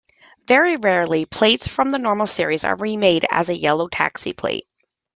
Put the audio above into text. Very rarely, plates from the normal series are remade as a yellow taxi plate.